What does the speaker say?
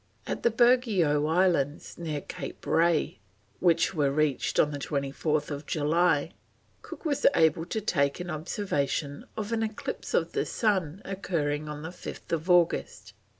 At the Burgeo Islands, near Cape Ray, which were reached on 24th July, Cook was able to take an observation of an eclipse of the sun occurring on 5th August.